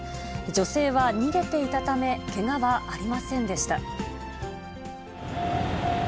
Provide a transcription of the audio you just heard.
女性は逃げていたため、けがはありませんでした。